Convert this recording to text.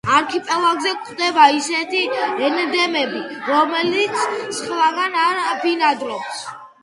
არქიპელაგზე გვხვდება ისეთი ენდემები, რომელიც სხვაგან არ ბინადრობს.